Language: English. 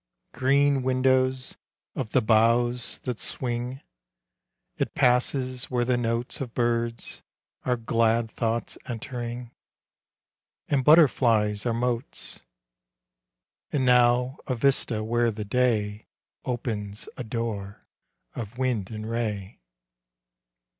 Green windows of the boughs, that swing, It passes, where the notes Of birds are glad thoughts entering, And butterflies are motes; And now a vista where the day Opens a door of wind and ray.